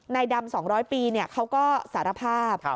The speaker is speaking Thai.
ดำ๒๐๐ปีเขาก็สารภาพ